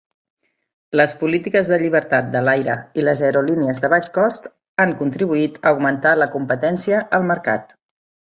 Les polítiques de llibertat de l'aire i les aerolínies de baix cost han contribuït a augmentar la competència al mercat.